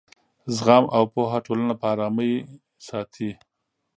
زغم او پوهه ټولنه په ارامۍ ساتي.